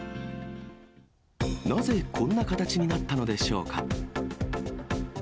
なぜ、こんな形になったのでしょうか。